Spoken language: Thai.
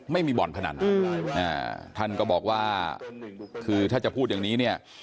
ไม่มีบ่อนพนันท่านก็บอกว่าคือถ้าจะพูดอย่างนี้เนี่ย